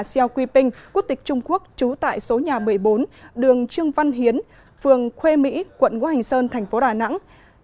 xiao kuiping quốc tịch trung quốc trú tại số nhà một mươi bốn đường trương văn hiến phường khuê mỹ quận ngũ hành sơn thành phố đà nẵng